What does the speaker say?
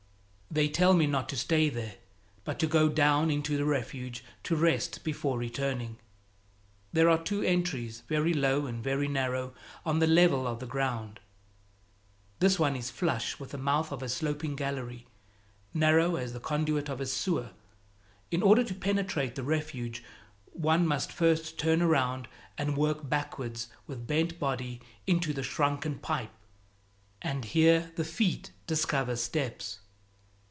They tell me not to stay there, but to go down into the Refuge to rest before returning. There are two entries, very low and very narrow, on the level of the ground. This one is flush with the mouth of a sloping gallery, narrow as the conduit of a sewer. In order to penetrate the Refuge, one must first turn round and work backwards with bent body into the shrunken pipe, and here the feet discover steps.